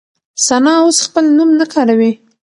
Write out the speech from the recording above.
ثنا اوس خپل نوم نه کاروي.